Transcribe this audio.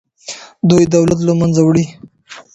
دوی دولت له منځه وړي.